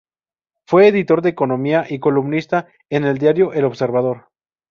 Fue Editor de Economía y columnista en el diario El Observador.